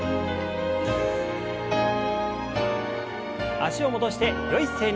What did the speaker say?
脚を戻してよい姿勢に。